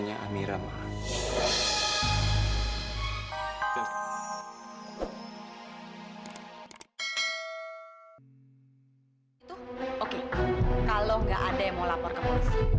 jangan sotau kamu